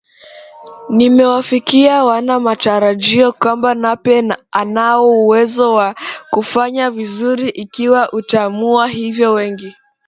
nimewafikia wana matarajio kwamba Nape anao uwezo wa kufanya vizuri ikiwa ataamua hivyo Wengi